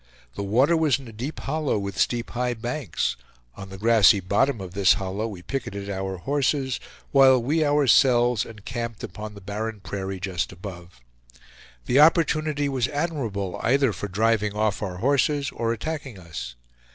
The water was in a deep hollow, with steep, high banks; on the grassy bottom of this hollow we picketed our horses, while we ourselves encamped upon the barren prairie just above. The opportunity was admirable either for driving off our horses or attacking us.